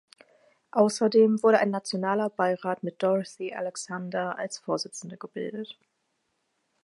Außerdem wurde ein nationaler Beirat mit Dorothy Alexander als Vorsitzende gebildet.